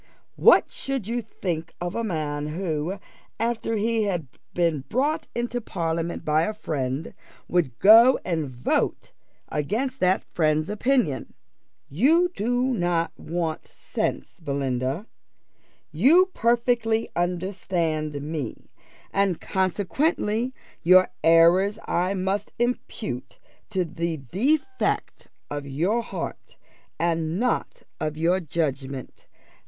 What should you think of a man who, after he had been brought into parliament by a friend, would go and vote against that friend's opinions? You do not want sense, Belinda you perfectly understand me; and consequently your errors I must impute to the defect of your heart, and not of your judgment.